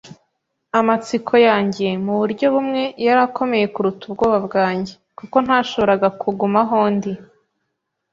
Amatsiko yanjye, muburyo bumwe, yari akomeye kuruta ubwoba bwanjye, kuko ntashoboraga kuguma aho ndi